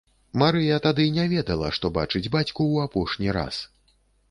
Марыя тады не ведала, што бачыць бацьку ў апошні раз.